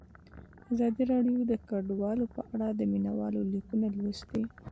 ازادي راډیو د کډوال په اړه د مینه والو لیکونه لوستي.